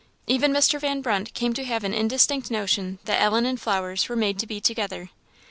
Even Mr. Van Brunt came to have an indistinct notion that Ellen and flowers were made to be together.